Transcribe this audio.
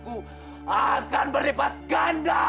aku akan berlibat ganda